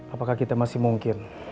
apakah kita masih mungkin